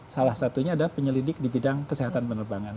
salah satunya ada penyelidik di bidang kesehatan penerbangan